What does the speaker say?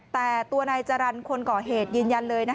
แต่ตัวนายจรรย์คนก่อเหตุยืนยันเลย